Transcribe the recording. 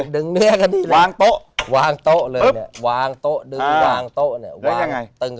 ดึงเนื้อกันดีหรือวางโต๊ะเรื่องแล้วเลยนนนี่วางโต๊ะอยู่วางโต๊ะเนี่ย